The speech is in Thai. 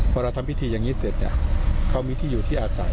พอเราทำพิธีอย่างนี้เสร็จเนี่ยเขามีที่อยู่ที่อาศัย